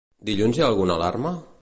Dilluns hi ha alguna alarma?